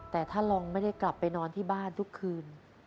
แต่ถ้าลองไม่ได้กลับไปนอนที่บ้านทุกคืน